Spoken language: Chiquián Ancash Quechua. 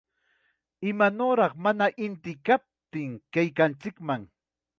¡Imanawraq mana inti kaptin kaykanchikman!